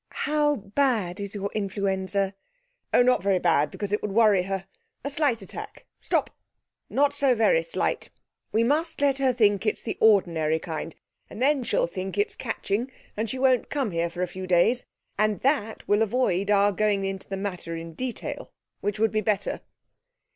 'How bad is your influenza?' 'Oh, not very bad; because it would worry her: a slight attack. Stop! Not so very slight we must let her think it's the ordinary kind, and then she'll think it's catching and she won't come here for a few days, and that will avoid our going into the matter in detail, which would be better.'